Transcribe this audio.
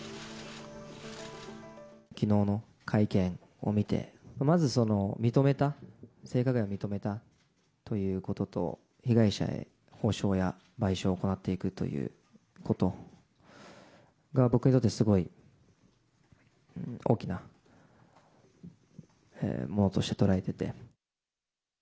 きのうの会見を見て、まず認めた、性加害を認めたということと、被害者へ補償や賠償を行っていくということが、僕にとってすごい大きなものとして捉えてて。